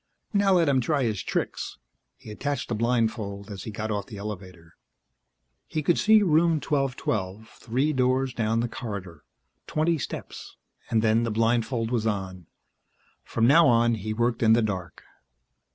Now let him try his tricks! He attached the blindfold as he got off the elevator. He could see Room 1212, three doors down the corridor, twenty steps and then the blindfold was on. From now on he worked in the dark.